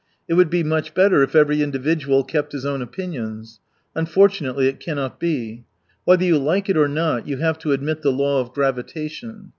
It would be much better if every individual kept his own opinions. Unfortunately, it cannot be. Whether you like it or not, you have to admit the law of gravitation.